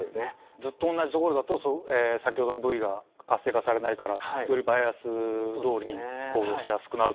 ずっと同じところだと先ほどの部位が活性化されないからよりバイアス通りに行動しやすくなると。